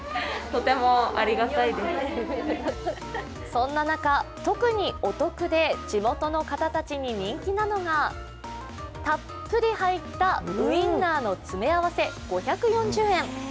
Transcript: そんな中、特にお得で地元の方たちに人気なのがたっぷり入ったウインナーの詰め合わせ５４０円。